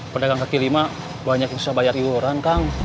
pendagang ke lima banyak yang susah bayar iuran kang